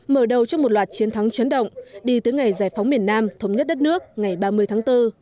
mở đầu cho một loạt chiến thắng chấn động đi tới ngày giải phóng miền nam thống nhất đất nước ngày ba mươi tháng bốn